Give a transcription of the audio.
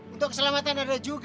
untuk keselamatan ada juga